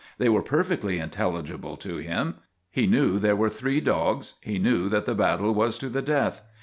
They were perfectly intelligible to him. He knew there were three dogs; he knew that the battle was to the death.